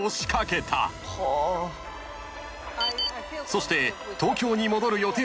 ［そして東京に戻る予定